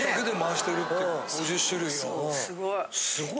すごい。